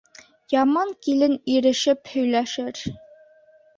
Яман килен ирешеп һөйләшер.